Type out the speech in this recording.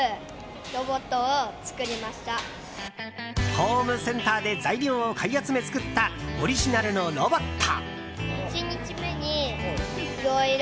ホームセンターで材料を買い集め作ったオリジナルのロボット。